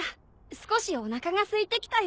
少しおなかがすいてきたよ。